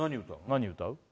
何歌う？